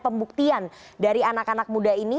pembuktian dari anak anak muda ini